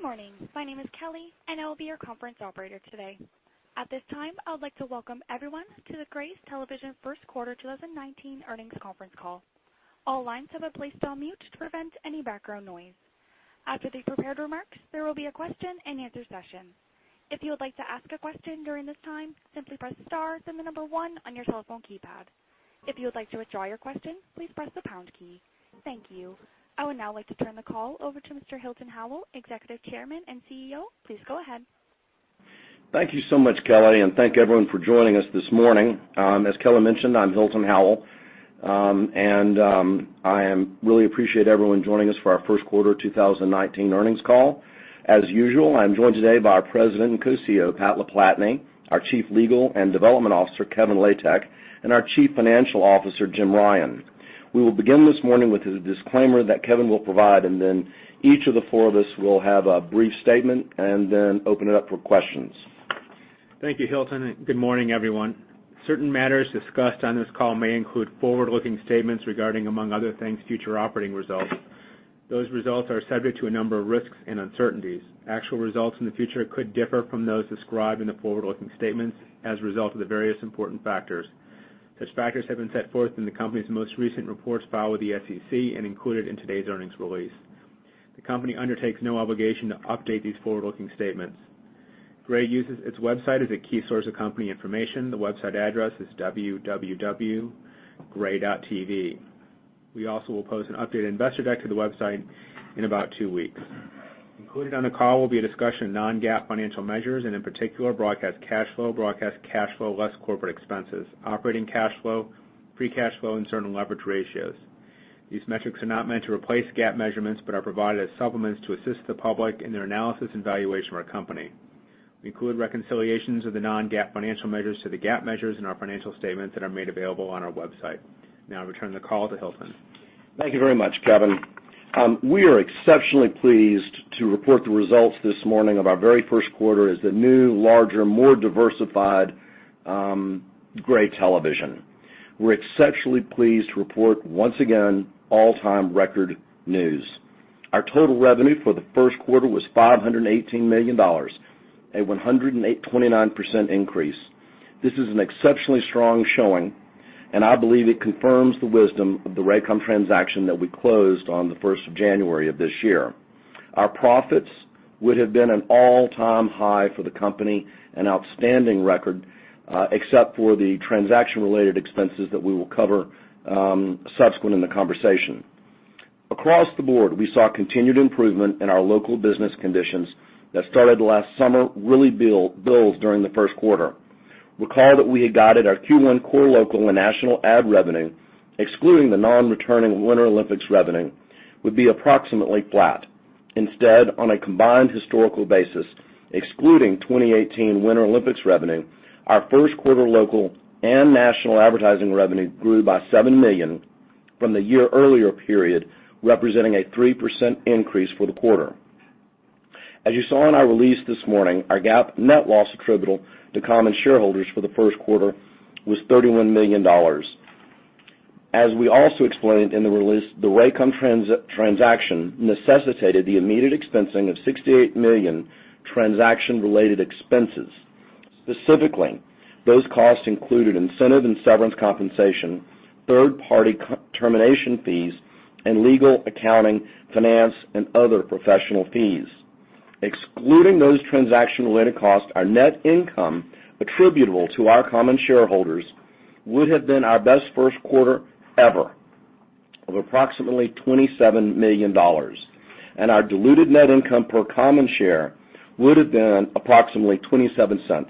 Good morning. My name is Kelly, and I will be your conference operator today. At this time, I would like to welcome everyone to the Gray Television first quarter 2019 earnings conference call. All lines have been placed on mute to prevent any background noise. After the prepared remarks, there will be a question-and-answer session. If you would like to ask a question during this time, simply press star, then the number 1 on your telephone keypad. If you would like to withdraw your question, please press the pound key. Thank you. I would now like to turn the call over to Mr. Hilton Howell, Executive Chairman and CEO. Please go ahead. Thank you so much, Kelly, and thank everyone for joining us this morning. As Kelly mentioned, I'm Hilton Howell, and I really appreciate everyone joining us for our first quarter 2019 earnings call. As usual, I'm joined today by our President and Co-CEO, Pat LaPlatney, our Chief Legal and Development Officer, Kevin Latek, and our Chief Financial Officer, Jim Ryan. We will begin this morning with a disclaimer that Kevin will provide, and then each of the four of us will have a brief statement and then open it up for questions. Thank you, Hilton, and good morning, everyone. Certain matters discussed on this call may include forward-looking statements regarding, among other things, future operating results. Those results are subject to a number of risks and uncertainties. Actual results in the future could differ from those described in the forward-looking statements as a result of the various important factors. Such factors have been set forth in the company's most recent reports filed with the SEC and included in today's earnings release. The company undertakes no obligation to update these forward-looking statements. Gray uses its website as a key source of company information. The website address is www.gray.tv. We also will post an updated investor deck to the website in about two weeks. Included on the call will be a discussion of non-GAAP financial measures, and in particular, broadcast cash flow, broadcast cash flow less corporate expenses, operating cash flow, free cash flow, and certain leverage ratios. These metrics are not meant to replace GAAP measurements but are provided as supplements to assist the public in their analysis and valuation of our company. We include reconciliations of the non-GAAP financial measures to the GAAP measures in our financial statements that are made available on our website. Now I return the call to Hilton. Thank you very much, Kevin. We are exceptionally pleased to report the results this morning of our very first quarter as the new, larger, more diversified Gray Television. We're exceptionally pleased to report once again all-time record news. Our total revenue for the first quarter was $518 million, a 129% increase. This is an exceptionally strong showing, and I believe it confirms the wisdom of the Raycom transaction that we closed on the first of January of this year. Our profits would have been an all-time high for the company, an outstanding record, except for the transaction-related expenses that we will cover subsequent in the conversation. Across the board, we saw continued improvement in our local business conditions that started last summer really build during the first quarter. Instead, on a combined historical basis, excluding 2018 Winter Olympics revenue, our first quarter local and national advertising revenue grew by $7 million from the year earlier period, representing a 3% increase for the quarter. As you saw in our release this morning, our GAAP net loss attributable to common shareholders for the first quarter was $31 million. As we also explained in the release, the Raycom transaction necessitated the immediate expensing of $68 million transaction-related expenses. Specifically, those costs included incentive and severance compensation, third-party termination fees, and legal, accounting, finance, and other professional fees. Excluding those transaction-related costs, our net income attributable to our common shareholders would have been our best first quarter ever of approximately $27 million, and our diluted net income per common share would have been approximately $0.27.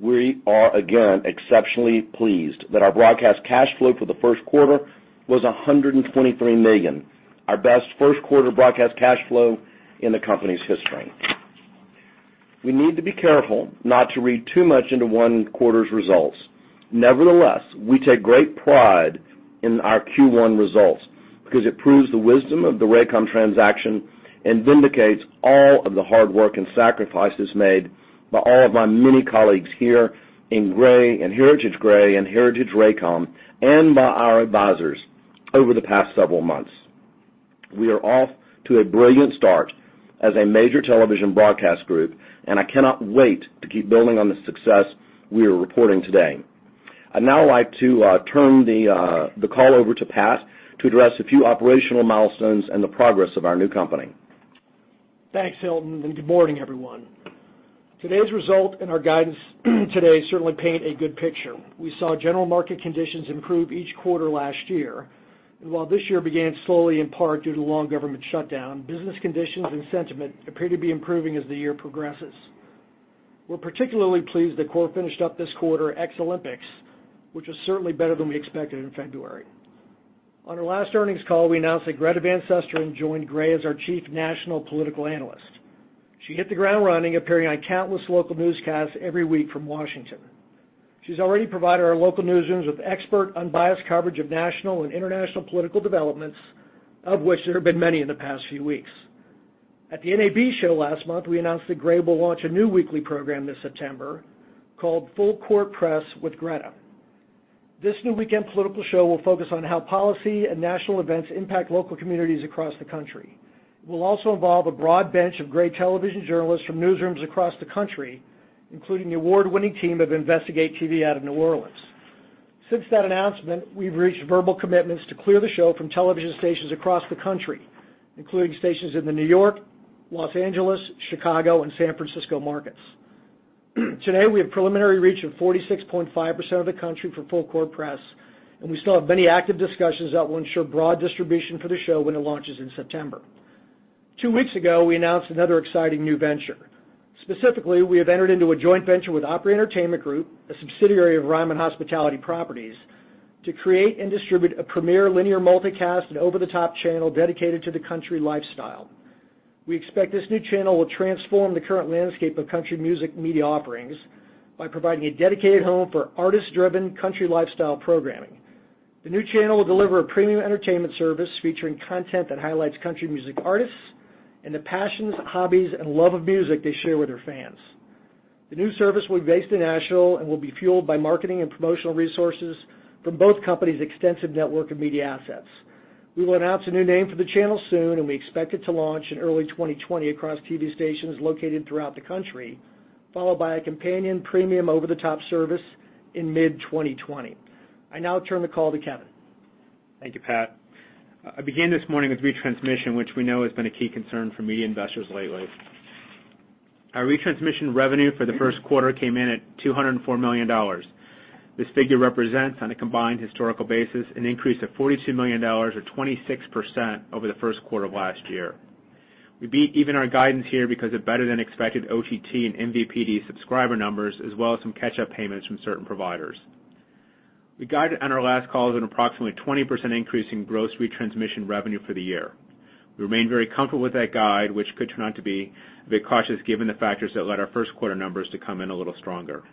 We are, again, exceptionally pleased that our broadcast cash flow for the first quarter was $123 million, our best first quarter broadcast cash flow in the company's history. We need to be careful not to read too much into one quarter's results. Nevertheless, we take great pride in our Q1 results because it proves the wisdom of the Raycom transaction and vindicates all of the hard work and sacrifices made by all of my many colleagues here in Gray and Heritage Gray and Heritage Raycom and by our advisors over the past several months. We are off to a brilliant start as a major television broadcast group. I cannot wait to keep building on the success we are reporting today. I'd now like to turn the call over to Pat to address a few operational milestones and the progress of our new company. Thanks, Hilton, and good morning, everyone. Today's result and our guidance today certainly paint a good picture. We saw general market conditions improve each quarter last year, and while this year began slowly in part due to the long government shutdown, business conditions and sentiment appear to be improving as the year progresses. We're particularly pleased that core finished up this quarter ex-Olympics, which was certainly better than we expected in February. On our last earnings call, we announced that Greta Van Susteren joined Gray as our Chief National Political Analyst. She hit the ground running, appearing on countless local newscasts every week from Washington. She's already provided our local newsrooms with expert, unbiased coverage of national and international political developments, of which there have been many in the past few weeks. At the NAB Show last month, we announced that Gray will launch a new weekly program this September called "Full Court Press with Greta. This new weekend political show will focus on how policy and national events impact local communities across the country. It will also involve a broad bench of Gray Television journalists from newsrooms across the country, including the award-winning team of InvestigateTV out of New Orleans. Since that announcement, we've reached verbal commitments to clear the show from television stations across the country, including stations in the New York, Los Angeles, Chicago, and San Francisco markets. Today, we have a preliminary reach of 46.5% of the country for Full Court Press, and we still have many active discussions that will ensure broad distribution for the show when it launches in September. Two weeks ago, we announced another exciting new venture. Specifically, we have entered into a joint venture with Opry Entertainment Group, a subsidiary of Ryman Hospitality Properties, to create and distribute a premier linear multicast and over-the-top channel dedicated to the country lifestyle. We expect this new channel will transform the current landscape of country music media offerings by providing a dedicated home for artist-driven country lifestyle programming. The new channel will deliver a premium entertainment service featuring content that highlights country music artists and the passions, hobbies, and love of music they share with their fans. The new service will be based in Nashville and will be fueled by marketing and promotional resources from both companies' extensive network of media assets. We will announce a new name for the channel soon, and we expect it to launch in early 2020 across TV stations located throughout the country, followed by a companion premium over-the-top service in mid-2020. I now turn the call to Kevin. Thank you, Pat. I begin this morning with retransmission, which we know has been a key concern for media investors lately. Our retransmission revenue for the first quarter came in at $204 million. This figure represents, on a combined historical basis, an increase of $42 million or 26% over the first quarter of last year. We beat even our guidance here because of better-than-expected OTT and MVPD subscriber numbers as well as some catch-up payments from certain providers. We guided on our last call on an approximately 20% increase in gross retransmission revenue for the year. We remain very comfortable with that guide, which could turn out to be a bit cautious given the factors that led our first quarter numbers to come in a little stronger.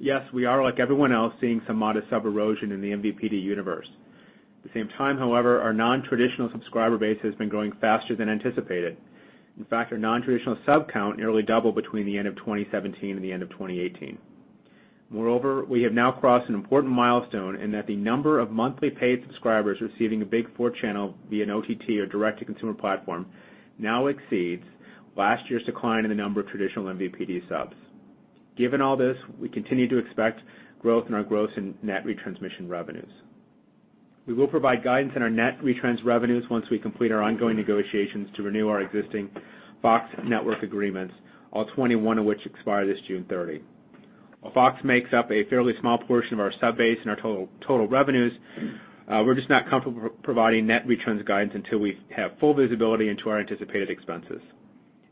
Yes, we are, like everyone else, seeing some modest sub erosion in the MVPD universe. At the same time, however, our non-traditional subscriber base has been growing faster than anticipated. In fact, our non-traditional sub count nearly doubled between the end of 2017 and the end of 2018. Moreover, we have now crossed an important milestone in that the number of monthly paid subscribers receiving a Big Four channel via an OTT or direct-to-consumer platform now exceeds last year's decline in the number of traditional MVPD subs. Given all this, we continue to expect growth in our gross and net retransmission revenues. We will provide guidance on our net retrans revenues once we complete our ongoing negotiations to renew our existing Fox network agreements, all 21 of which expire this June 30. While Fox makes up a fairly small portion of our sub base and our total revenues, we're just not comfortable providing net retrans guidance until we have full visibility into our anticipated expenses.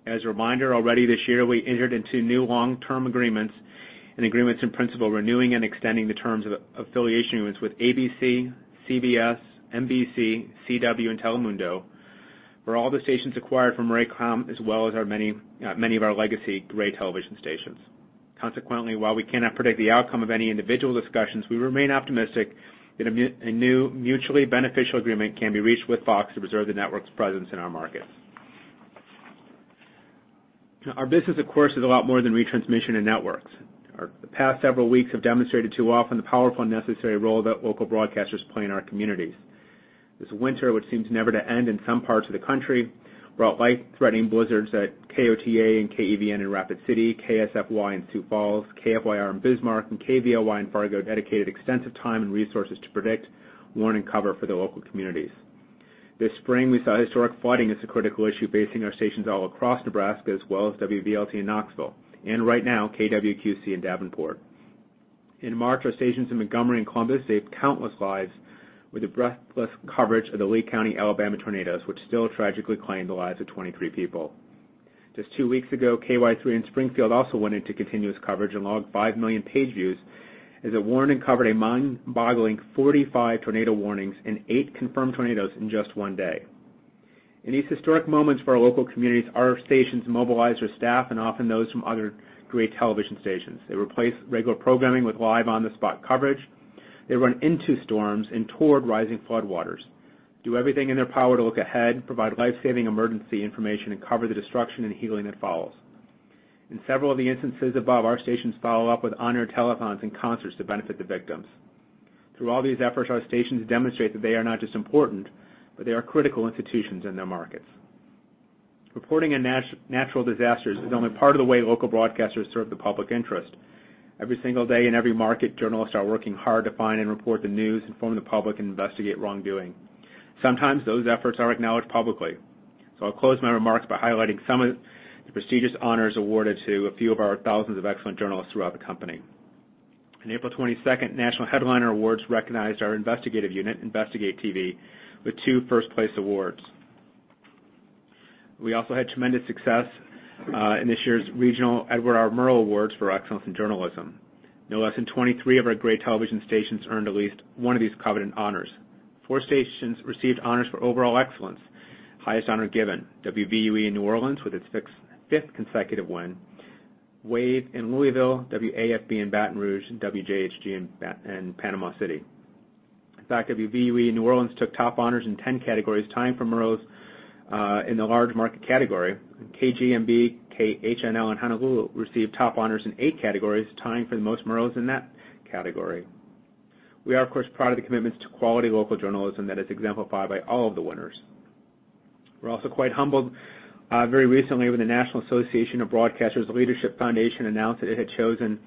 As a reminder, already this year, we entered into new long-term agreements and agreements in principle renewing and extending the terms of affiliation agreements with ABC, CBS, NBC, The CW, and Telemundo for all the stations acquired from Raycom as well as many of our legacy Gray Television stations. While we cannot predict the outcome of any individual discussions, we remain optimistic that a new mutually beneficial agreement can be reached with Fox to preserve the network's presence in our markets. Our business, of course, is a lot more than retransmission and networks. The past several weeks have demonstrated too often the powerful and necessary role that local broadcasters play in our communities. This winter, which seems never to end in some parts of the country, brought life-threatening blizzards that KOTA and KEVN in Rapid City, KSFY in Sioux Falls, KFYR in Bismarck, and KVLY in Fargo dedicated extensive time and resources to predict, warn, and cover for their local communities. This spring, we saw historic flooding as a critical issue facing our stations all across Nebraska as well as WVLT in Knoxville, and right now, KWQC in Davenport. In March, our stations in Montgomery and Columbus saved countless lives with the breathless coverage of the Lee County, Alabama tornadoes, which still tragically claimed the lives of 23 people. Just two weeks ago, KY3 in Springfield also went into continuous coverage and logged 5 million page views as it warned and covered a mind-boggling 45 tornado warnings and eight confirmed tornadoes in just one day. In these historic moments for our local communities, our stations mobilize their staff and often those from other Gray Television stations. They replace regular programming with live on-the-spot coverage. They run into storms and toward rising floodwaters, do everything in their power to look ahead, provide life-saving emergency information, and cover the destruction and healing that follows. In several of the instances above, our stations follow up with on-air telethons and concerts to benefit the victims. Through all these efforts, our stations demonstrate that they are not just important, but they are critical institutions in their markets. Reporting on natural disasters is only part of the way local broadcasters serve the public interest. Every single day in every market, journalists are working hard to find and report the news, inform the public, and investigate wrongdoing. Sometimes those efforts are acknowledged publicly. I'll close my remarks by highlighting some of the prestigious honors awarded to a few of our thousands of excellent journalists throughout the company. On April 22nd, National Headliner Awards recognized our investigative unit, InvestigateTV, with two first-place awards. We also had tremendous success in this year's regional Edward R. Murrow Awards for Excellence in Journalism. No less than 23 of our Gray Television stations earned at least one of these coveted honors. Four stations received honors for overall excellence, highest honor given, WVUE in New Orleans with its fifth consecutive win, WAVE in Louisville, WAFB in Baton Rouge, and WJHG in Panama City. In fact, WVUE New Orleans took top honors in 10 categories, tying for Murrows in the large market category. KGMB, KHNL in Honolulu received top honors in eight categories, tying for the most Murrows in that category. We are, of course, proud of the commitments to quality local journalism that is exemplified by all of the winners. We're also quite humbled. Very recently, when the National Association of Broadcasters Leadership Foundation announced that it had chosen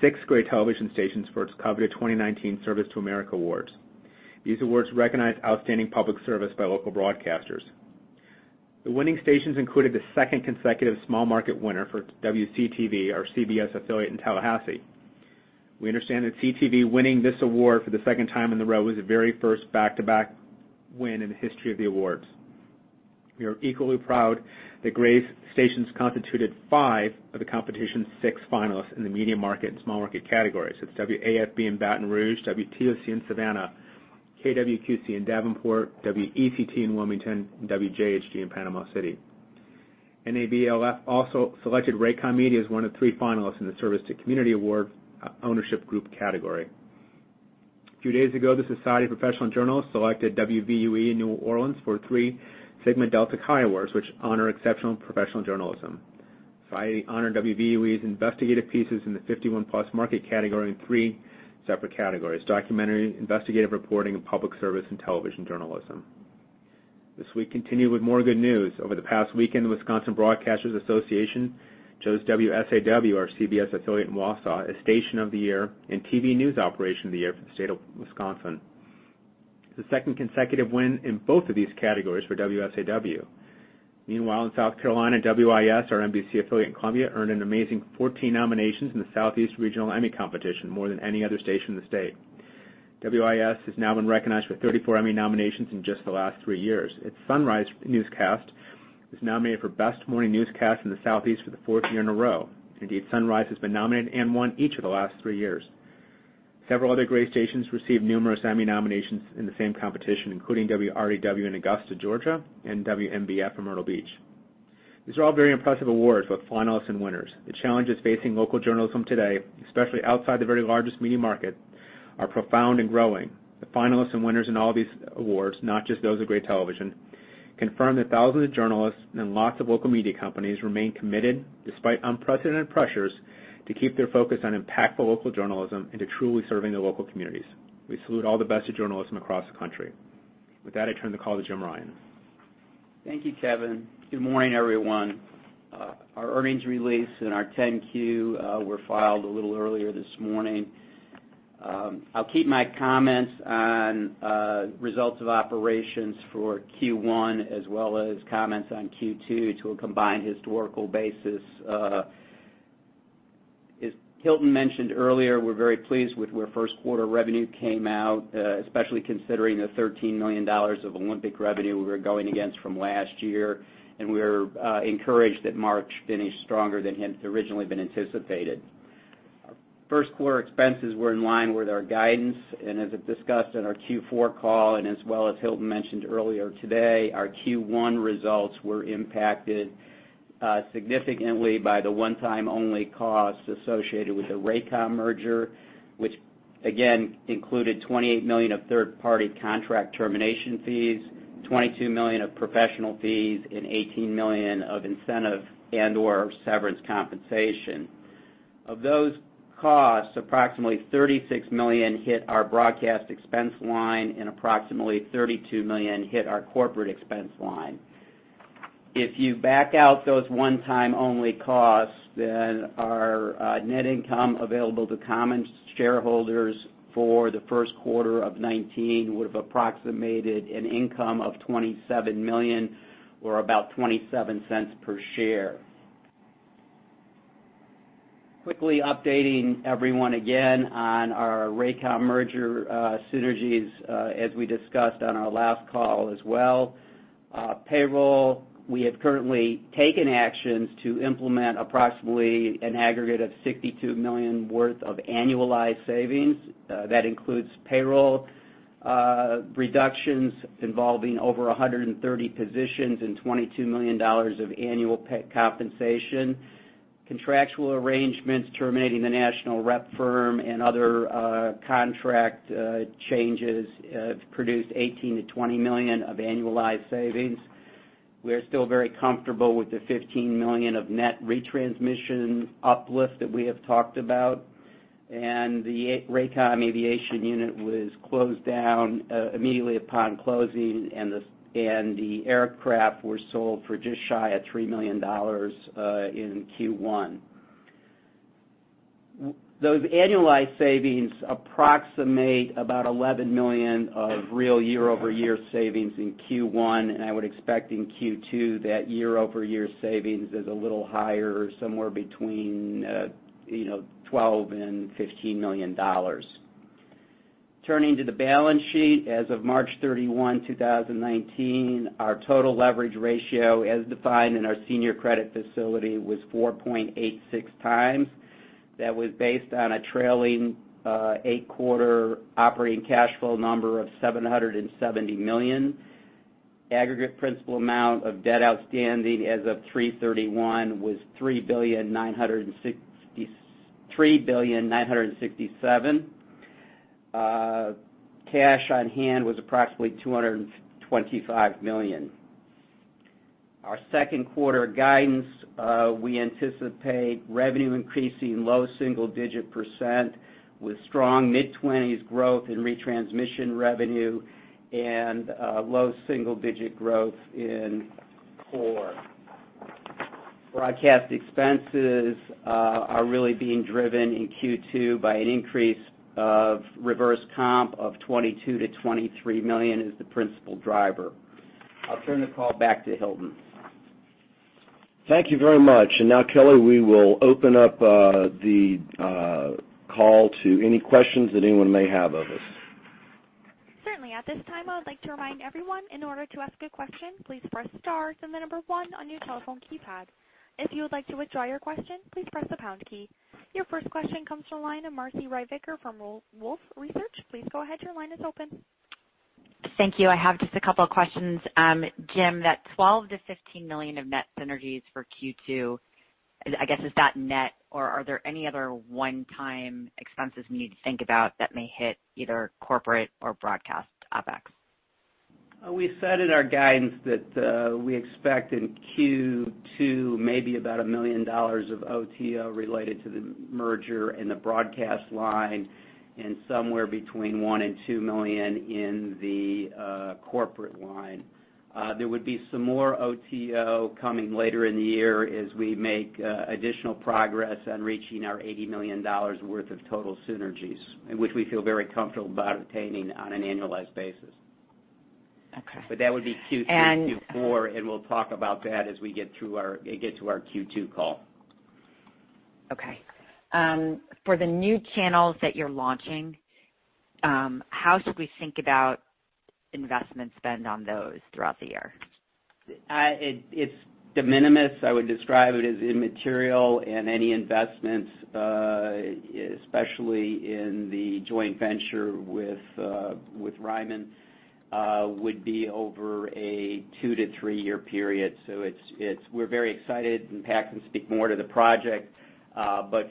six Gray Television stations for its coveted 2019 Service to America Awards. These awards recognize outstanding public service by local broadcasters. The winning stations included the second consecutive small market winner for WCTV, our CBS affiliate in Tallahassee. We understand that WCTV winning this award for the second time in a row was the very first back-to-back win in the history of the awards. We are equally proud that Gray stations constituted five of the competition's six finalists in the medium market and small market categories. It's WAFB in Baton Rouge, WTOC in Savannah, KWQC in Davenport, WECT in Wilmington, and WJHG in Panama City. NABLF also selected Raycom Media as one of three finalists in the Service to Community Award ownership group category. A few days ago, the Society of Professional Journalists selected WVUE in New Orleans for three Sigma Delta Chi awards, which honor exceptional professional journalism. Society honored WVUE's investigative pieces in the 51-plus market category in 3 separate categories: documentary, investigative reporting, and public service in television journalism. This week continued with more good news. Over the past weekend, the Wisconsin Broadcasters Association chose WSAW, our CBS affiliate in Wausau, as Station of the Year and TV News Operation of the Year for the state of Wisconsin. It's the second consecutive win in both of these categories for WSAW. Meanwhile, in South Carolina, WIS, our NBC affiliate in Columbia, earned an amazing 14 nominations in the Southeast Regional Emmy competition, more than any other station in the state. WIS has now been recognized with 34 Emmy nominations in just the last three years. Its Sunrise newscast was nominated for best morning newscast in the Southeast for the fourth year in a row. Indeed, Sunrise has been nominated and won each of the last three years. Several other Gray stations received numerous Emmy nominations in the same competition, including WRDW in Augusta, Georgia, and WMBF in Myrtle Beach. These are all very impressive awards, both finalists and winners. The challenges facing local journalism today, especially outside the very largest media market, are profound and growing. The finalists and winners in all these awards, not just those of Gray Television, confirm that thousands of journalists and lots of local media companies remain committed despite unprecedented pressures to keep their focus on impactful local journalism and to truly serving their local communities. We salute all the best of journalism across the country. With that, I turn the call to Jim Ryan. Thank you, Kevin. Good morning, everyone. Our earnings release and our 10-Q were filed a little earlier this morning. I'll keep my comments on results of operations for Q1 as well as comments on Q2 to a combined historical basis. As Hilton mentioned earlier, we're very pleased with where first quarter revenue came out, especially considering the $13 million of Olympic revenue we were going against from last year. We're encouraged that March finished stronger than had originally been anticipated. First quarter expenses were in line with our guidance, as discussed on our Q4 call, as well as Hilton mentioned earlier today, our Q1 results were impacted significantly by the one-time only costs associated with the Raycom merger, which again included $28 million of third-party contract termination fees, $22 million of professional fees, and $18 million of incentive and/or severance compensation. Of those costs, approximately $36 million hit our broadcast expense line, and approximately $32 million hit our corporate expense line. If you back out those one-time only costs, then our net income available to common shareholders for the first quarter of 2019 would have approximated an income of $27 million or about $0.27 per share. Quickly updating everyone again on our Raycom merger synergies, as we discussed on our last call as well. Payroll, we have currently taken actions to implement approximately an aggregate of $62 million worth of annualized savings. That includes payroll reductions involving over 130 positions and $22 million of annual compensation. Contractual arrangements terminating the national rep firm and other contract changes have produced $18 million-$20 million of annualized savings. We're still very comfortable with the $15 million of net retransmission uplift that we have talked about, and the Raycom Aviation unit was closed down immediately upon closing and the aircraft were sold for just shy of $3 million in Q1. Those annualized savings approximate about $11 million of real year-over-year savings in Q1, and I would expect in Q2 that year-over-year savings is a little higher, somewhere between $12 million-$15 million. Turning to the balance sheet, as of March 31, 2019, our total leverage ratio as defined in our senior credit facility was 4.86 times. That was based on a trailing eight-quarter operating cash flow number of $770 million. Aggregate principal amount of debt outstanding as of 3/31 was $3,000,000,967. Cash on hand was approximately $225 million. Our second quarter guidance, we anticipate revenue increasing low single-digit percent with strong mid-20s% growth in retransmission revenue and low single-digit growth in core. Broadcast expenses are really being driven in Q2 by an increase of reverse comp of $22 million-$23 million is the principal driver. I'll turn the call back to Hilton. Thank you very much. Now, Kelly, we will open up the call to any questions that anyone may have of us. Certainly. At this time, I would like to remind everyone, in order to ask a question, please press star, then the number 1 on your telephone keypad. If you would like to withdraw your question, please press the pound key. Your first question comes from the line of Marci Ryvicker from Wolfe Research. Please go ahead. Your line is open. Thank you. I have just a couple of questions. Jim, that $12 million-$15 million of net synergies for Q2, I guess, is that net, or are there any other one-time expenses we need to think about that may hit either corporate or broadcast OpEx? We said in our guidance that we expect in Q2 maybe about $1 million of OTO related to the merger in the broadcast line and somewhere between $1 million and $2 million in the corporate line. There would be some more OTO coming later in the year as we make additional progress on reaching our $80 million worth of total synergies, which we feel very comfortable about attaining on an annualized basis. Okay. That would be Q3. And- Q4, we'll talk about that as we get to our Q2 call. Okay. For the new channels that you're launching, how should we think about investment spend on those throughout the year? It's de minimis. I would describe it as immaterial, any investments, especially in the joint venture with Ryman, would be over a two to three year period. We're very excited, Pat can speak more to the project.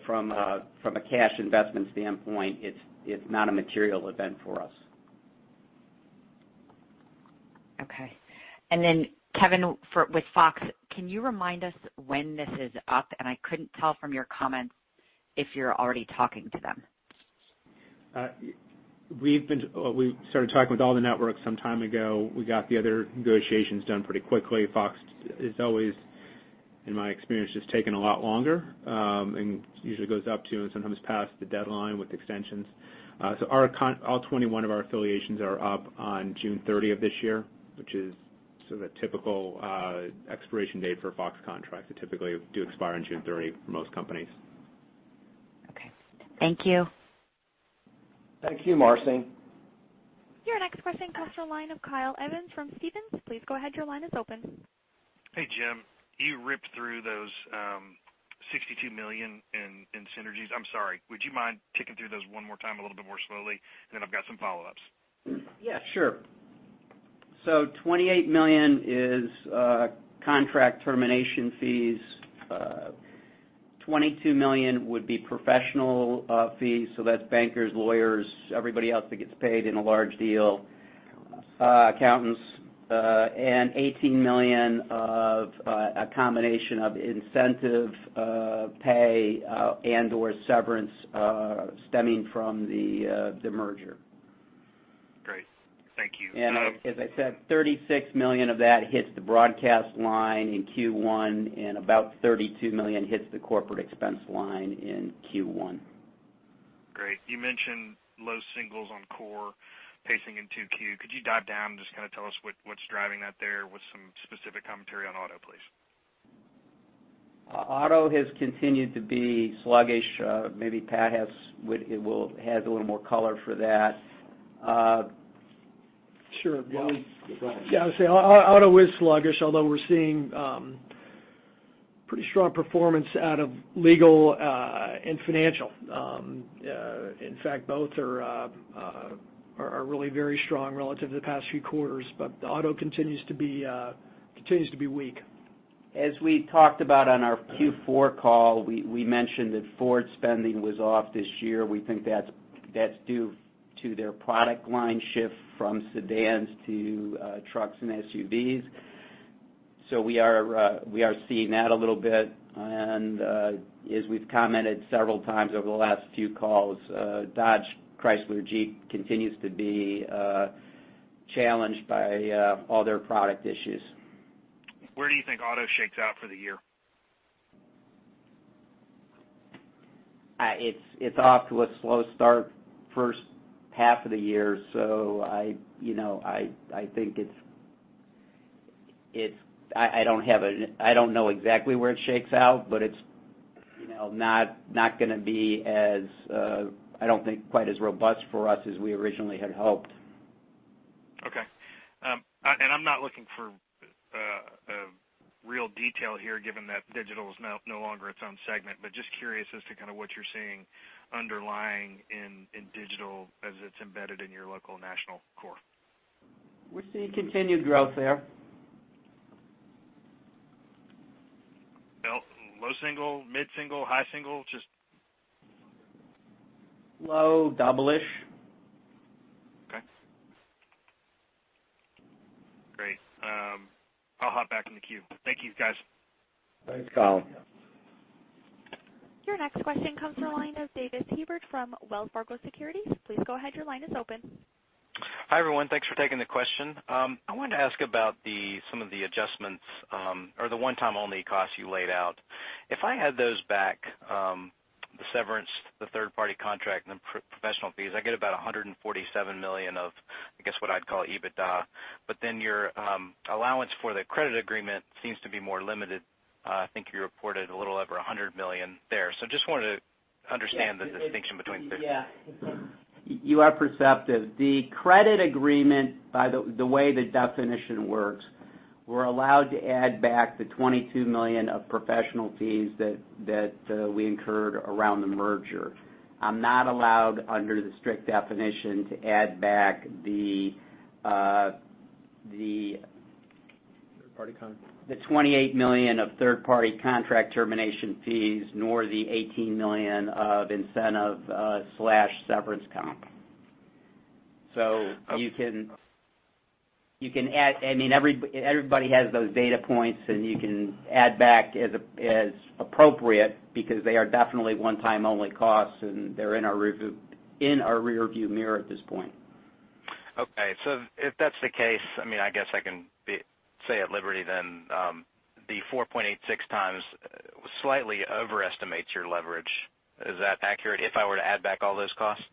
From a cash investment standpoint, it's not a material event for us. Okay. Then Kevin, with Fox, can you remind us when this is up? I couldn't tell from your comments if you're already talking to them. We started talking with all the networks some time ago. We got the other negotiations done pretty quickly. Fox is always, in my experience, just taking a lot longer, and usually goes up to and sometimes past the deadline with extensions. All 21 of our affiliations are up on June 30 of this year, which is sort of a typical expiration date for Fox contracts. They typically do expire on June 30 for most companies. Okay. Thank you. Thank you, Marci. Your next question comes to the line of Kyle Evans from Stephens. Please go ahead. Your line is open. Hey, Jim. You ripped through those $62 million in synergies. I'm sorry, would you mind taking through those one more time a little bit more slowly, and then I've got some follow-ups? Yeah, sure. $28 million is contract termination fees. $22 million would be professional fees, so that's bankers, lawyers, everybody else that gets paid in a large deal, accountants. $18 million of a combination of incentive pay and/or severance stemming from the merger. Great. Thank you. As I said, $36 million of that hits the broadcast line in Q1, and about $32 million hits the corporate expense line in Q1. Great. You mentioned low singles on core pacing in 2Q. Could you dive down and just kind of tell us what's driving that there with some specific commentary on auto, please? Auto has continued to be sluggish. Maybe Pat has a little more color for that. Sure. Go ahead. Yeah. I would say auto is sluggish, although we're seeing pretty strong performance out of legal and financial. In fact, both are really very strong relative to the past few quarters, but auto continues to be weak. As we talked about on our Q4 call, we mentioned that Ford spending was off this year. We think that's due to their product line shift from sedans to trucks and SUVs. We are seeing that a little bit, and as we've commented several times over the last few calls, Dodge, Chrysler, Jeep continues to be challenged by all their product issues. Where do you think auto shakes out for the year? It's off to a slow start first half of the year, I don't know exactly where it shakes out, it's not going to be, I don't think, quite as robust for us as we originally had hoped. Okay. I'm not looking for real detail here, given that digital is no longer its own segment, just curious as to kind of what you're seeing underlying in digital as it's embedded in your local national core. We're seeing continued growth there. Low single, mid single, high single? Low double-ish. Okay. Great. I'll hop back in the queue. Thank you guys. Thanks, Kyle. Your next question comes from the line of Davis Hebert from Wells Fargo Securities. Please go ahead. Your line is open. Hi, everyone. Thanks for taking the question. I wanted to ask about some of the adjustments, or the one-time-only costs you laid out. If I had those back, the severance, the third-party contract, and the professional fees, I get about $147 million of, I guess, what I'd call EBITDA. Your allowance for the credit agreement seems to be more limited. I think you reported a little over $100 million there. Just wanted to understand the distinction between. Yeah. You are perceptive. The credit agreement, by the way the definition works, we're allowed to add back the $22 million of professional fees that we incurred around the merger. I'm not allowed, under the strict definition, to add back the. Third-party contract the $28 million of third-party contract termination fees, nor the $18 million of incentive/severance comp. You can add, everybody has those data points, and you can add back as appropriate because they are definitely one-time only costs, and they're in our rearview mirror at this point. Okay. If that's the case, I guess I can say at liberty then, the 4.86 times slightly overestimates your leverage. Is that accurate if I were to add back all those costs?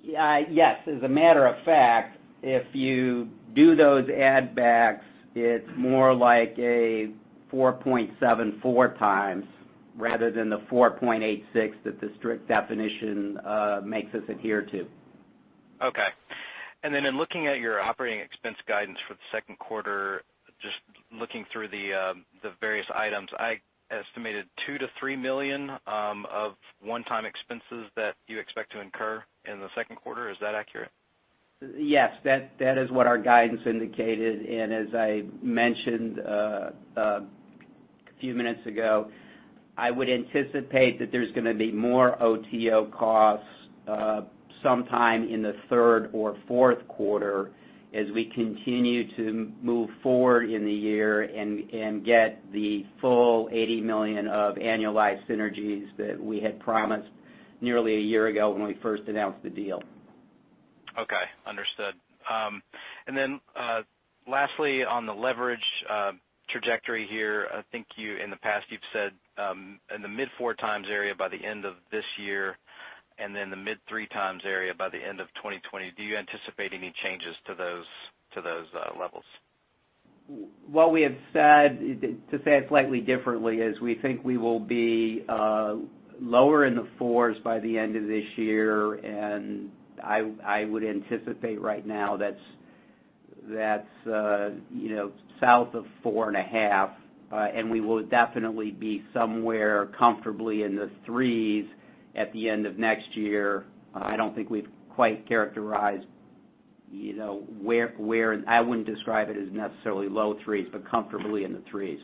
Yes. As a matter of fact, if you do those add backs, it's more like a 4.74 times rather than the 4.86 that the strict definition makes us adhere to. Okay. In looking at your operating expense guidance for the second quarter, just looking through the various items, I estimated $2 million-$3 million of one-time expenses that you expect to incur in the second quarter. Is that accurate? Yes. That is what our guidance indicated. As I mentioned a few minutes ago, I would anticipate that there's going to be more OTO costs, sometime in the third or fourth quarter as we continue to move forward in the year and get the full $80 million of annualized synergies that we had promised nearly a year ago when we first announced the deal. Okay. Understood. Lastly, on the leverage trajectory here, I think in the past you've said, in the mid four times area by the end of this year, and then the mid three times area by the end of 2020. Do you anticipate any changes to those levels? What we have said, to say it slightly differently, is we think we will be lower in the fours by the end of this year, and I would anticipate right now that's south of four and a half. We will definitely be somewhere comfortably in the threes at the end of next year. I don't think we've quite characterized where. I wouldn't describe it as necessarily low threes, but comfortably in the threes.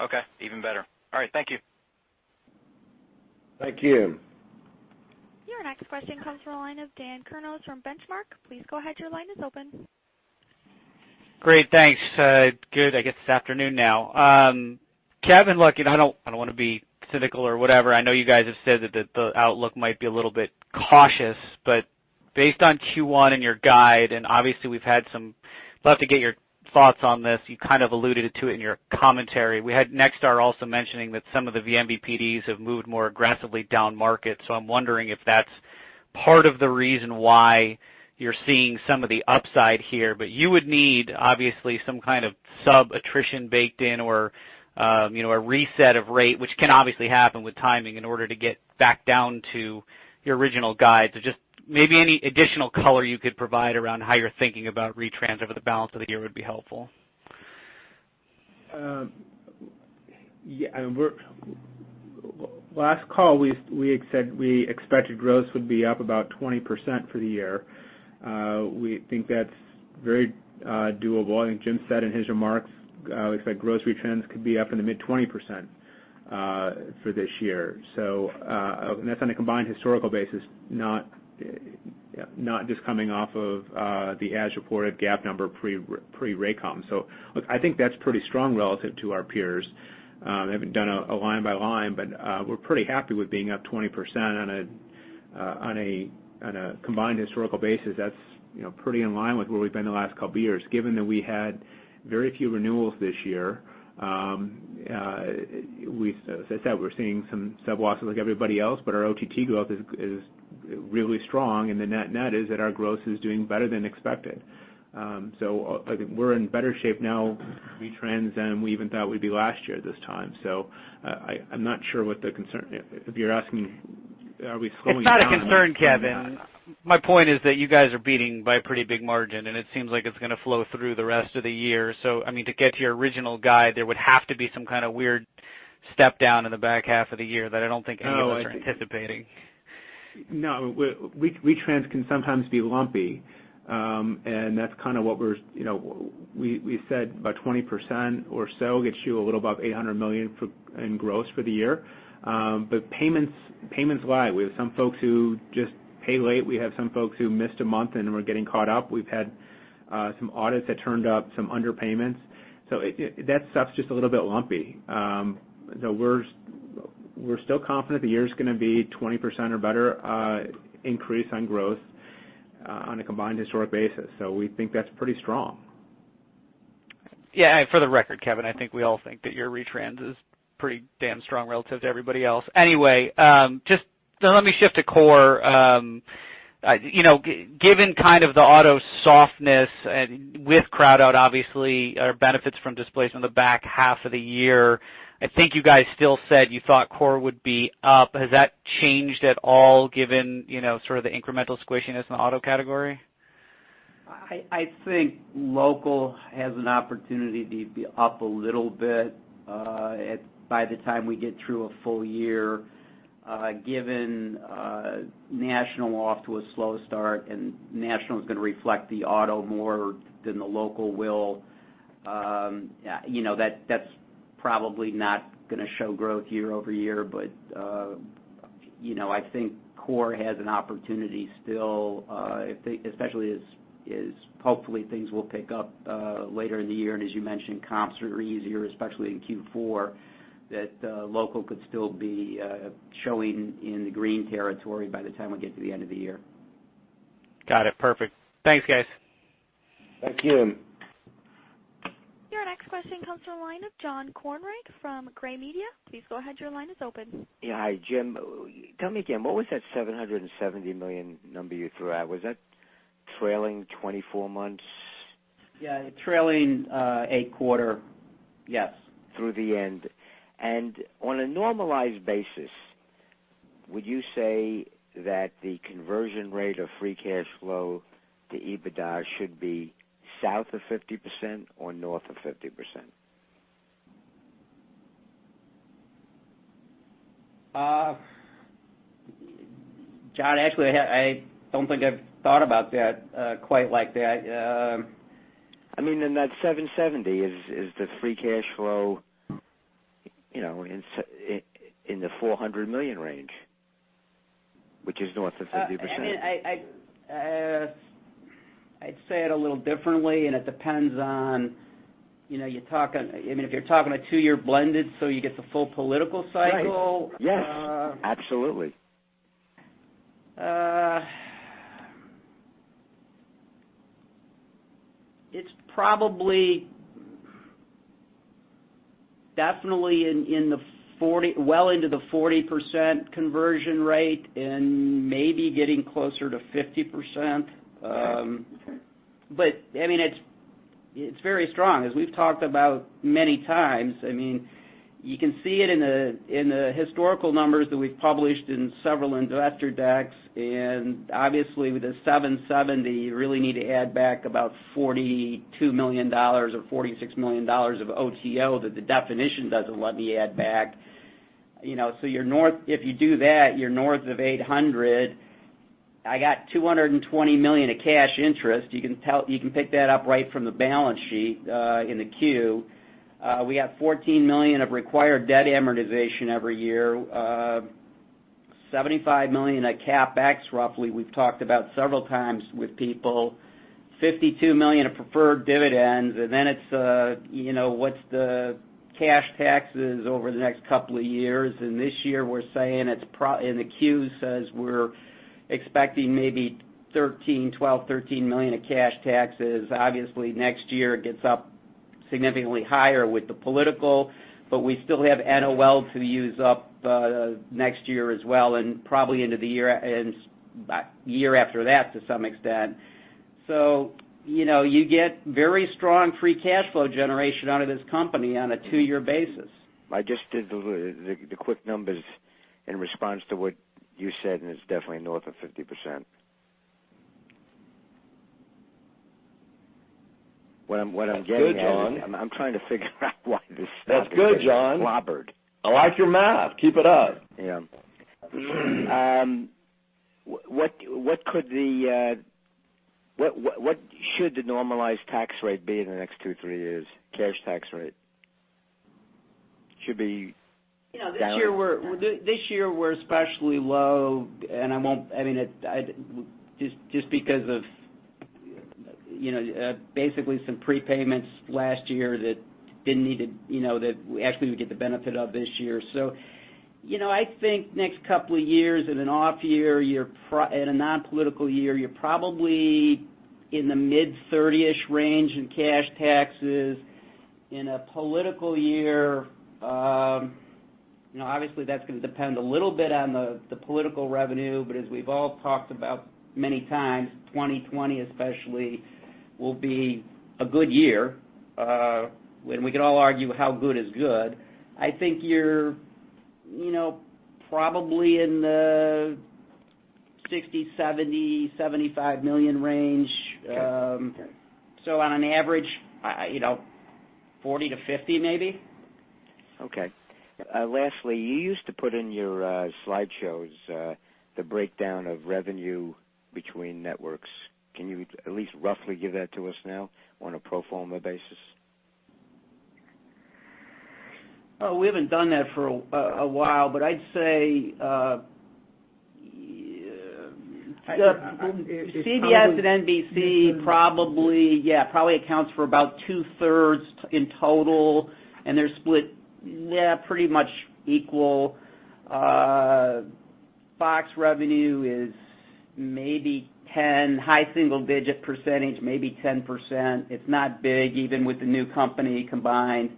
Okay. Even better. All right. Thank you. Thank you. Your next question comes from the line of Dan Kurnos from The Benchmark Company. Please go ahead. Your line is open. Great. Thanks. Good, I guess it's afternoon now. Kevin, look, I don't want to be cynical or whatever. I know you guys have said that the outlook might be a little bit cautious, but based on Q1 and your guide, and obviously we'd love to get your thoughts on this. You kind of alluded to it in your commentary. We had Nexstar Media Group also mentioning that some of the vMVPDs have moved more aggressively down market. I'm wondering if that's part of the reason why you're seeing some of the upside here. You would need obviously some kind of sub-attrition baked in or a reset of rate, which can obviously happen with timing in order to get back down to your original guide. Just maybe any additional color you could provide around how you're thinking about retrans over the balance of the year would be helpful. Last call, we had said we expected growth would be up about 20% for the year. We think that's very doable. I think Jim said in his remarks, we expect gross retrans could be up in the mid 20% for this year. That's on a combined historical basis, not just coming off of the as-reported GAAP number pre-Raycom. Look, I think that's pretty strong relative to our peers. I haven't done a line by line, but we're pretty happy with being up 20% on a combined historical basis. That's pretty in line with where we've been the last couple of years, given that we had very few renewals this year. As I said, we're seeing some sub losses like everybody else, but our OTT growth is really strong, and the net is that our growth is doing better than expected. I think we're in better shape now, retrans, than we even thought we'd be last year at this time. I'm not sure what the concern if you're asking. Are we slowing down? It's not a concern, Kevin. My point is that you guys are beating by a pretty big margin, and it seems like it's going to flow through the rest of the year. I mean, to get to your original guide, there would have to be some kind of weird step down in the back half of the year that I don't think any of us are anticipating. No, retrans can sometimes be lumpy. That's kind of what we said, about 20% or so gets you a little above $800 million in gross for the year. Payments lag. We have some folks who just pay late. We have some folks who missed a month and were getting caught up. We've had some audits that turned up some underpayments. That stuff's just a little bit lumpy. We're still confident the year's going to be 20% or better increase on growth on a combined historic basis, we think that's pretty strong. Yeah. For the record, Kevin, I think we all think that your retrans is pretty damn strong relative to everybody else. Anyway, just let me shift to core. Given kind of the auto softness and with crowd out obviously, our benefits from displaced on the back half of the year, I think you guys still said you thought core would be up. Has that changed at all given sort of the incremental squishiness in the auto category? I think local has an opportunity to be up a little bit by the time we get through a full year. Given national off to a slow start, national's going to reflect the auto more than the local will. That's probably not going to show growth year-over-year, I think core has an opportunity still, especially as hopefully things will pick up later in the year. As you mentioned, comps are easier, especially in Q4, that local could still be showing in the green territory by the time we get to the end of the year. Got it. Perfect. Thanks, guys. Thank you. Your next question comes from the line of John Kornreich from Gray Television. Please go ahead. Your line is open. Yeah. Hi, Jim. Tell me again, what was that $770 million number you threw out? Was that trailing 24 months? Yeah, trailing eight quarter. Yes. Through the end. On a normalized basis, would you say that the conversion rate of free cash flow to EBITDA should be south of 50% or north of 50%? John, actually, I don't think I've thought about that quite like that. I mean, in that $770 is the free cash flow, in the $400 million range, which is north of 50%. I'd say it a little differently, it depends on, if you're talking a two-year blended so you get the full political cycle. Right. Yes. Absolutely. It's probably definitely well into the 40% conversion rate and maybe getting closer to 50%. Okay. It's very strong. As we've talked about many times, you can see it in the historical numbers that we've published in several investor decks. Obviously with the 770, you really need to add back about $42 million or $46 million of OTO that the definition doesn't let me add back. If you do that, you're north of 800. I got $220 million of cash interest. You can pick that up right from the balance sheet in the 10-Q. We have $14 million of required debt amortization every year. $75 million at CapEx, roughly, we've talked about several times with people. $52 million of preferred dividends. What's the cash taxes over the next couple of years? This year, we're saying the 10-Q says we're expecting maybe $12 million-$13 million of cash taxes. Obviously, next year it gets up significantly higher with the political. We still have NOL to use up next year as well, and probably into the year and year after that to some extent. You get very strong free cash flow generation out of this company on a two-year basis. I just did the quick numbers in response to what you said, and it's definitely north of 50%. What I'm getting at. That's good, John. I'm trying to figure out why this stuff is so clobbered. That's good, John. I like your math. Keep it up. Yeah. What should the normalized tax rate be in the next two, three years? Cash tax rate. Should be down? This year we're especially low, just because of basically some prepayments last year that actually we get the benefit of this year. I think next couple of years in an off year, in a non-political year, you're probably in the mid thirty-ish range in cash taxes. In a political year, obviously that's going to depend a little bit on the political revenue. As we've all talked about many times, 2020 especially will be a good year. We can all argue how good is good. I think you're probably in the $60 million, $70 million, $75 million range. Okay. On an average, 40%-50% maybe. Okay. Lastly, you used to put in your slideshows the breakdown of revenue between networks. Can you at least roughly give that to us now on a pro forma basis? We haven't done that for a while. I'd say. It's probably. CBS and NBC probably, yeah, accounts for about two-thirds in total, and they're split, yeah, pretty much equal. Fox revenue is maybe 10, high single-digit %, maybe 10%. It's not big, even with the new company combined.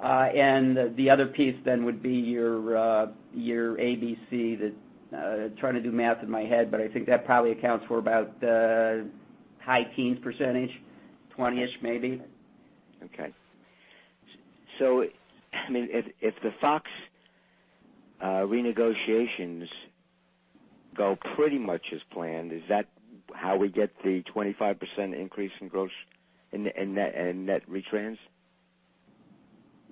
The other piece would be your ABC that Trying to do math in my head, I think that probably accounts for about high teens %, 20-ish maybe. Okay. If the Fox renegotiations go pretty much as planned, is that how we get the 25% increase in net retrans?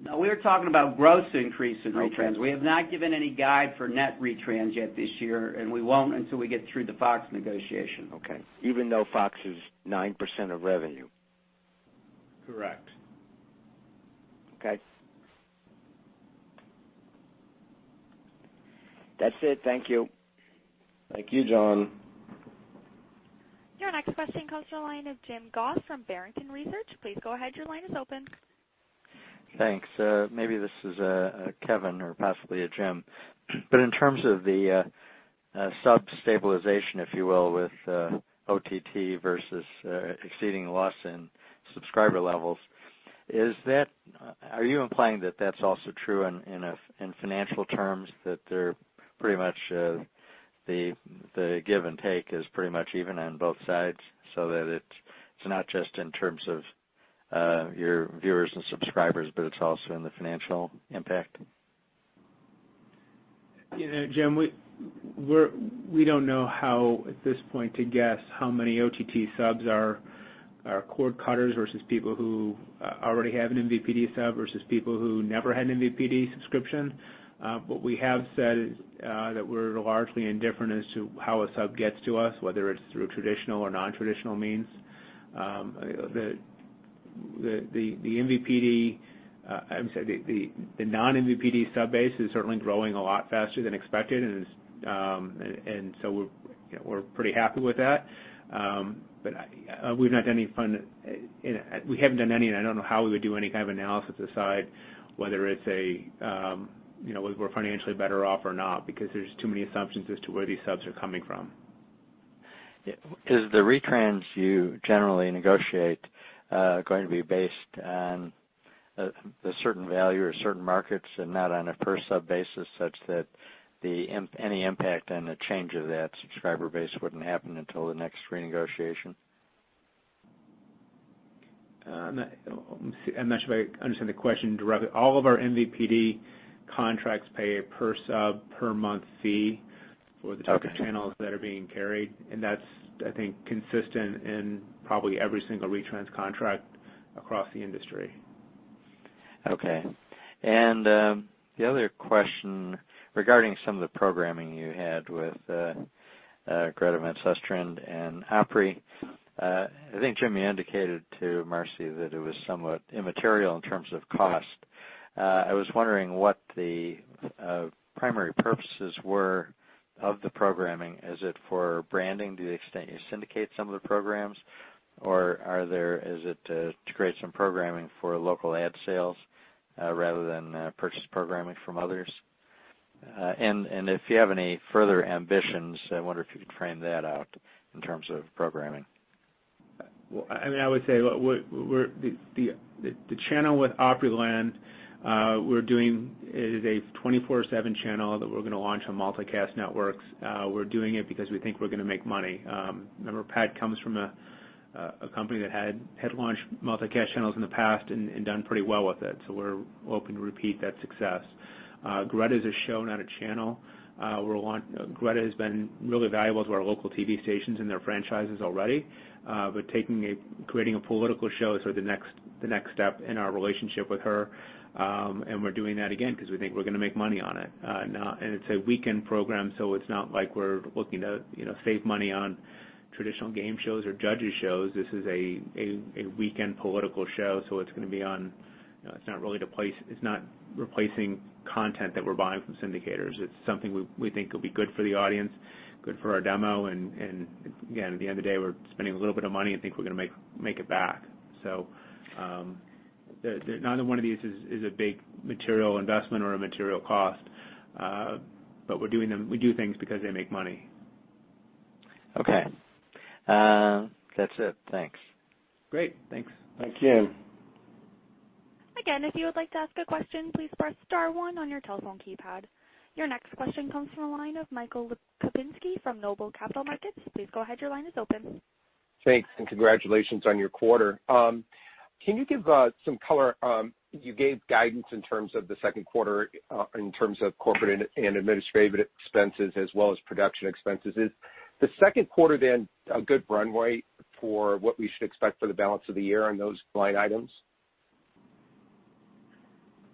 No, we were talking about gross increase in retrans. Okay. We have not given any guide for net retrans yet this year, and we won't until we get through the Fox negotiation. Okay. Even though Fox is 9% of revenue. Correct. Okay. That's it. Thank you. Thank you, John. Your next question comes to the line of Jim Goss from Barrington Research. Please go ahead, your line is open. Thanks. Maybe this is Kevin or possibly Jim. In terms of the sub stabilization, if you will, with OTT versus exceeding loss in subscriber levels, are you implying that that's also true in financial terms, that the give and take is pretty much even on both sides so that it's not just in terms of your viewers and subscribers, but it's also in the financial impact? Jim, we don't know how, at this point, to guess how many OTT subs are cord cutters versus people who already have an MVPD sub versus people who never had an MVPD subscription. We have said that we're largely indifferent as to how a sub gets to us, whether it's through traditional or non-traditional means. The non-MVPD sub base is certainly growing a lot faster than expected, we're pretty happy with that. We've not done any I don't know how we would do any kind of analysis aside whether we're financially better off or not because there's too many assumptions as to where these subs are coming from. Is the retrans you generally negotiate going to be based on a certain value or certain markets and not on a per sub basis such that any impact on the change of that subscriber base wouldn't happen until the next renegotiation? I'm not sure I understand the question directly. All of our MVPD contracts pay a per sub per month fee for the different channels that are being carried, and that's, I think, consistent in probably every single retrans contract across the industry. Okay. The other question regarding some of the programming you had with Greta Van Susteren and Opry. I think Jim, you indicated to Marci that it was somewhat immaterial in terms of cost. I was wondering what the primary purposes were of the programming. Is it for branding to the extent you syndicate some of the programs, or is it to create some programming for local ad sales rather than purchase programming from others? If you have any further ambitions, I wonder if you could frame that out in terms of programming. I would say the channel with Opryland we're doing is a 24/7 channel that we're going to launch on multicast networks. We're doing it because we think we're going to make money. Remember, Pat comes from a company that had launched multicast channels in the past and done pretty well with it, so we're hoping to repeat that success. Greta is a show, not a channel. Greta has been really valuable to our local TV stations and their franchises already. Creating a political show is the next step in our relationship with her, and we're doing that again because we think we're going to make money on it. It's a weekend program, so it's not like we're looking to save money on traditional game shows or judges shows. This is a weekend political show, so it's not replacing content that we're buying from syndicators. It's something we think will be good for the audience, good for our demo, and again, at the end of the day, we're spending a little bit of money and think we're going to make it back. Neither one of these is a big material investment or a material cost, but we do things because they make money. Okay. That's it. Thanks. Great. Thanks. Thank you. Again, if you would like to ask a question, please press star one on your telephone keypad. Your next question comes from the line of Michael Lipinski from Noble Capital Markets. Please go ahead. Your line is open. Thanks. Congratulations on your quarter. Can you give some color? You gave guidance in terms of the second quarter in terms of corporate and administrative expenses as well as production expenses. Is the second quarter a good runway for what we should expect for the balance of the year on those line items?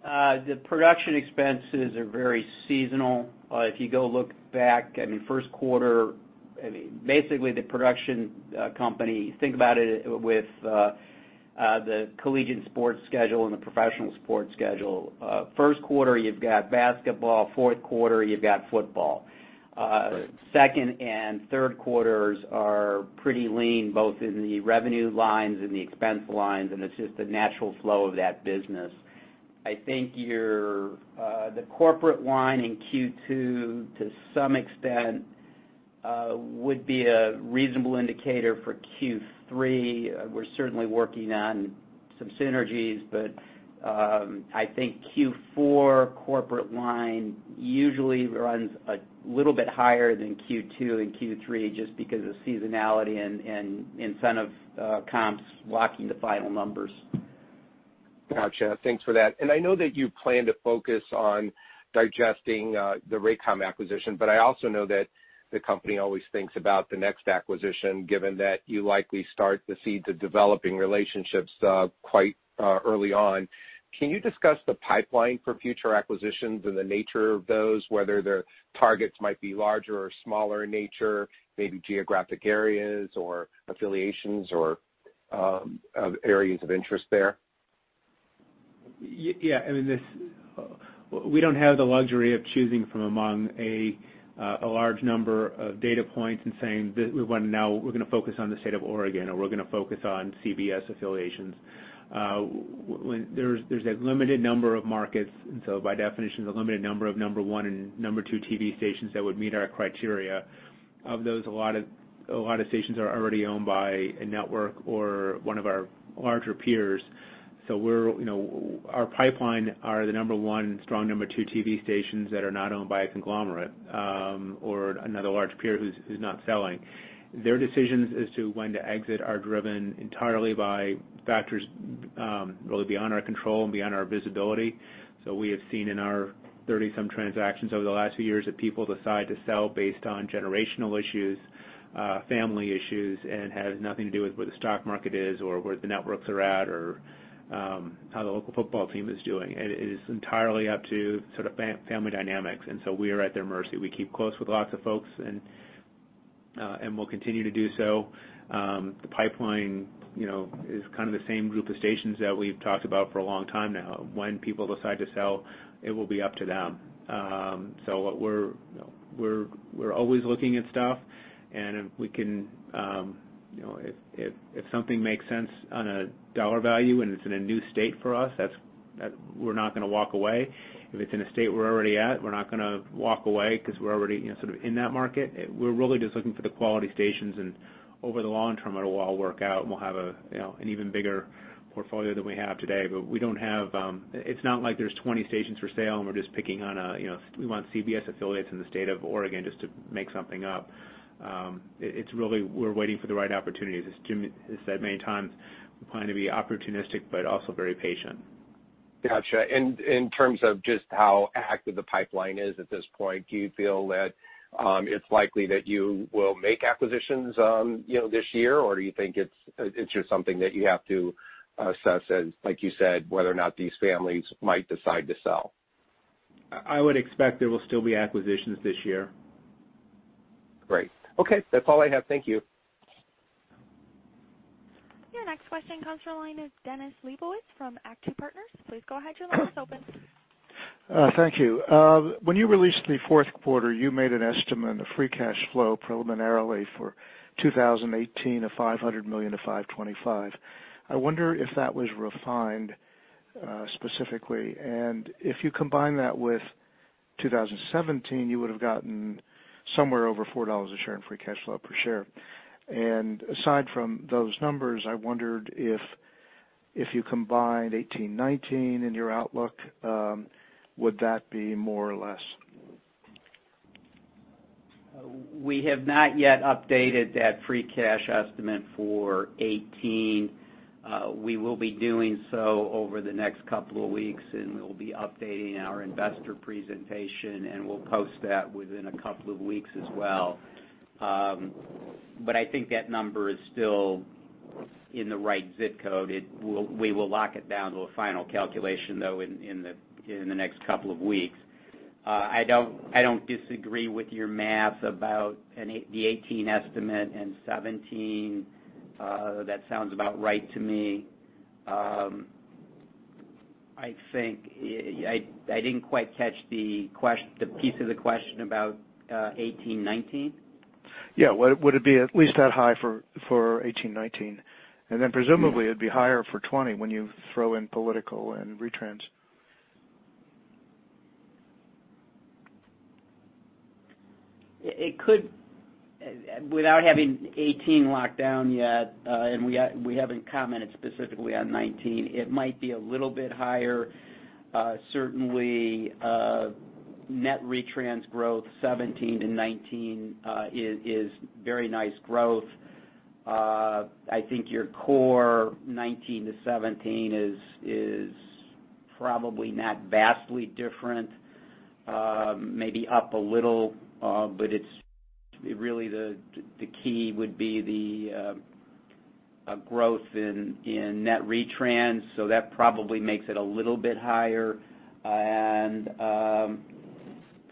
The production expenses are very seasonal. If you go look back, in the first quarter, basically the production company, think about it with the collegiate sports schedule and the professional sports schedule. First quarter, you've got basketball. Fourth quarter, you've got football. Right. Second and third quarters are pretty lean, both in the revenue lines and the expense lines. It's just the natural flow of that business. I think the corporate line in Q2, to some extent, would be a reasonable indicator for Q3. I think Q4 corporate line usually runs a little bit higher than Q2 and Q3 just because of seasonality and incentive comps locking the final numbers. Got you. Thanks for that. I know that you plan to focus on digesting the Raycom acquisition, I also know that the company always thinks about the next acquisition, given that you likely start to see the developing relationships quite early on. Can you discuss the pipeline for future acquisitions and the nature of those, whether their targets might be larger or smaller in nature, maybe geographic areas or affiliations or areas of interest there? Yeah. We don't have the luxury of choosing from among a large number of data points and saying now we're going to focus on the state of Oregon, or we're going to focus on CBS affiliations. By definition, there's a limited number of number 1 and number 2 TV stations that would meet our criteria. Of those, a lot of stations are already owned by a network or one of our larger peers. Our pipeline are the number 1, strong number 2 TV stations that are not owned by a conglomerate or another large peer who's not selling. Their decisions as to when to exit are driven entirely by factors really beyond our control and beyond our visibility. We have seen in our 30-some transactions over the last few years that people decide to sell based on generational issues, family issues. It has nothing to do with where the stock market is or where the networks are at or how the local football team is doing. It is entirely up to family dynamics. We are at their mercy. We keep close with lots of folks, we'll continue to do so. The pipeline is kind of the same group of stations that we've talked about for a long time now. When people decide to sell, it will be up to them. We're always looking at stuff, if something makes sense on a dollar value and it's in a new state for us, we're not going to walk away. If it's in a state we're already at, we're not going to walk away because we're already sort of in that market. We're really just looking for the quality stations. Over the long term, it'll all work out, we'll have an even bigger portfolio than we have today. It's not like there's 20 stations for sale, and we're just picking on a, we want CBS affiliates in the state of Oregon, just to make something up. It's really we're waiting for the right opportunities. As Jim has said many times, we plan to be opportunistic but also very patient. Got you. In terms of just how active the pipeline is at this point, do you feel that it's likely that you will make acquisitions this year? Or do you think it's just something that you have to assess as, like you said, whether or not these families might decide to sell? I would expect there will still be acquisitions this year. Great. Okay, that's all I have. Thank you. Your next question comes from the line of Dennis Leibowitz from Act II Partners. Please go ahead. Your line is open. Thank you. When you released the fourth quarter, you made an estimate of free cash flow preliminarily for 2018 of $500 million-$525 million. I wonder if that was refined specifically. If you combine that with 2017, you would have gotten somewhere over $4 a share in free cash flow per share. Aside from those numbers, I wondered if you combined 2018, 2019 in your outlook, would that be more or less? We have not yet updated that free cash estimate for 2018. We will be doing so over the next couple of weeks, we'll be updating our investor presentation, we'll post that within a couple of weeks as well. I think that number is still in the right ZIP code. We will lock it down to a final calculation, though, in the next couple of weeks. I don't disagree with your math about the 2018 estimate and 2017. That sounds about right to me. I think I didn't quite catch the piece of the question about 2018, 2019. Yeah. Would it be at least that high for 2018, 2019? Presumably it'd be higher for 2020 when you throw in political and retrans. It could, without having 2018 locked down yet, we haven't commented specifically on 2019, it might be a little bit higher. Certainly, net retrans growth 2017 to 2019 is very nice growth. I think your core 2019 to 2017 is probably not vastly different. Maybe up a little, really, the key would be the growth in net retrans, that probably makes it a little bit higher.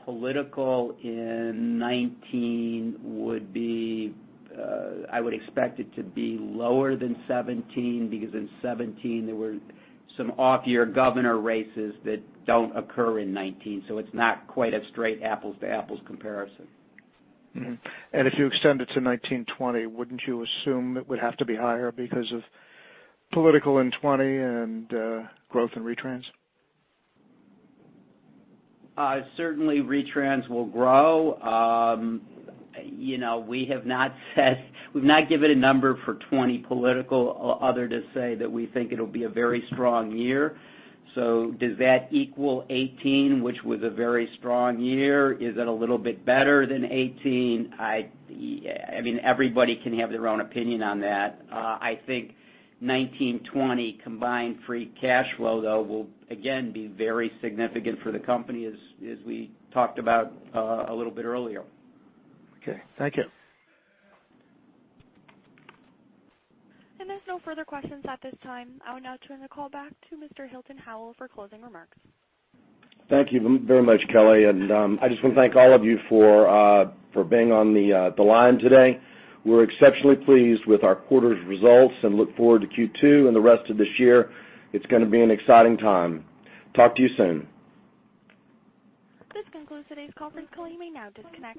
Political in 2019, I would expect it to be lower than 2017, because in 2017 there were some off-year governor races that don't occur in 2019, it's not quite a straight apples-to-apples comparison. Mm-hmm. If you extend it to 2019-2020, wouldn't you assume it would have to be higher because of political in 2020 and growth in retrans? Certainly, retrans will grow. We've not given a number for 2020 political, other to say that we think it'll be a very strong year. Does that equal 2018, which was a very strong year? Is it a little bit better than 2018? Everybody can have their own opinion on that. I think 2019-2020 combined free cash flow, though, will again be very significant for the company, as we talked about a little bit earlier. Okay. Thank you. There's no further questions at this time. I'll now turn the call back to Mr. Hilton Howell for closing remarks. Thank you very much, Kelly. I just want to thank all of you for being on the line today. We're exceptionally pleased with our quarter's results and look forward to Q2 and the rest of this year. It's going to be an exciting time. Talk to you soon. This concludes today's conference call. You may now disconnect.